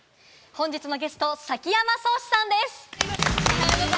本日のゲスト、崎山蒼志さん